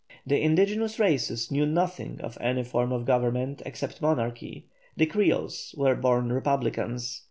The indigenous races knew nothing of any form of government except monarchy. The Creoles were born republicans.